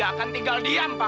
uh bahkan harusnya ambil